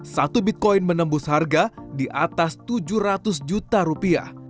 satu bitcoin menembus harga di atas rp tujuh ratus